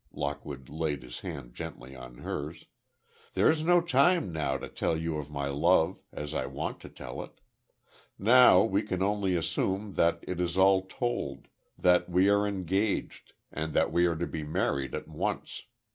Lockwood laid his hand gently on hers. "There's no time now to tell you of my love, as I want to tell it. Now, we can only assume that it is all told, that we are engaged, and that we are to be married at once.